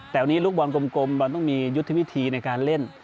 แต่วันนี้ลูกบอลกลมบอลต้องมียุทธวิธีในการเล่น